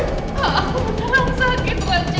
aku benar benar sakit raja